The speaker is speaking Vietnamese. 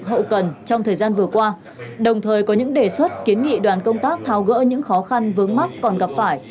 hậu cần trong thời gian vừa qua đồng thời có những đề xuất kiến nghị đoàn công tác tháo gỡ những khó khăn vướng mắt còn gặp phải